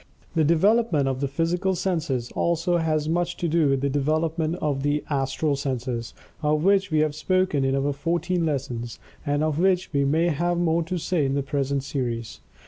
The development of the physical senses, also has much to do with the development of the "Astral Senses," of which we have spoken in our "Fourteen Lessons," and of which we may have more to say in the present series.